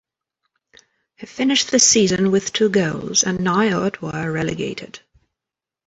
He finished the season with two goals and Niort were relegated.